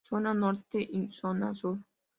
Zona Norte y Zona Sur.